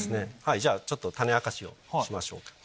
じゃあちょっと種明かしをしましょうか。